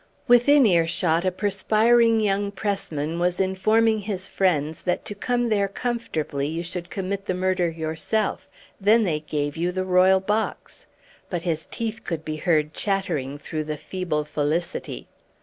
Within earshot a perspiring young pressman was informing his friends that to come there comfortably you should commit the murder yourself, then they gave you the Royal Box; but his teeth could be heard chattering through the feeble felicity.